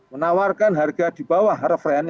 menawarkan harga di bawah refrian